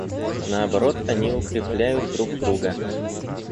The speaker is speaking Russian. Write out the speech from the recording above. Наоборот, они укрепляют друг друга.